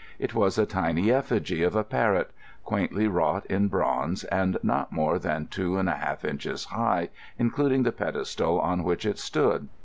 It was a tiny effigy of a parrot, quaintly wrought in bronze and not more than two and a half inches high including the pedestal on which it stood.